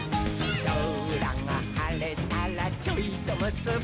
「そらがはれたらちょいとむすび」